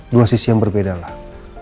dua sisi yang berbeda lah